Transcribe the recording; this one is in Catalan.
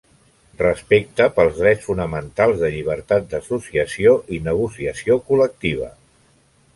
Respecte pels drets fonamentals de llibertat d'associació i negociació col·lectiva.